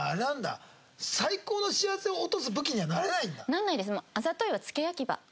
ならないです。